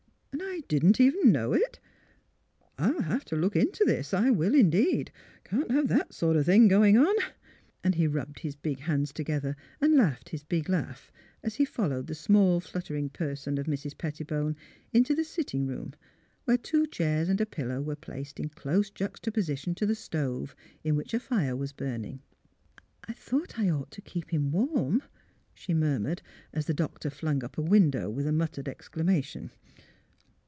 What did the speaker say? And I didn't even know it? I'll have to look into this. I will, indeed. Can't have that sort of thing going on." And he rubbed his big hands together and laughed his big laugh as he followed the small fluttering person of Mrs. Pettibone into the sit ting room, where two chairs and a pillow were I THE PARISH HEARS THE NEWS 315 placed in close juxtaposition to the stove, in which a fire was burning. " I thought I ought to keep him warm," she murmured, as the doctor flung up a window, with a muttered exclamation.